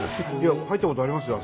入ったことありますよ。